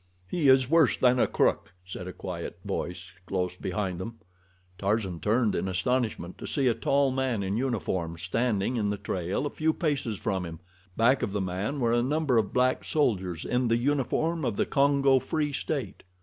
"He is worse than a crook," said a quiet voice close behind them. Tarzan turned in astonishment to see a tall man in uniform standing in the trail a few paces from him. Back of the man were a number of black soldiers in the uniform of the Congo Free State.